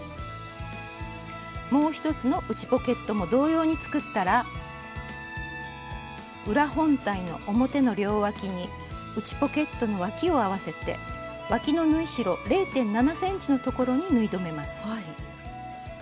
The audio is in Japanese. もう一つの内ポケットも同様に作ったら裏本体の表の両わきに内ポケットのわきを合わせてわきの縫い代０．７ｃｍのところに縫い留めます。